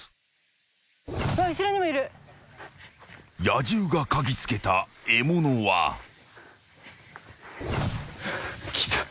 ［野獣が嗅ぎつけた獲物は］来た。